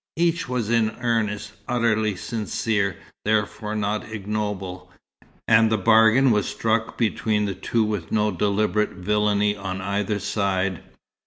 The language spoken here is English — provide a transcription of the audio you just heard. Each was in earnest, utterly sincere, therefore not ignoble; and the bargain was struck between the two with no deliberate villainy on either side.